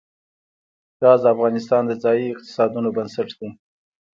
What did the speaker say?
ګاز د افغانستان د ځایي اقتصادونو بنسټ دی.